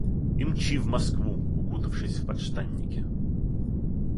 И мчи в Москву, укутавшись в подштанники.